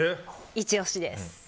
イチ押しです。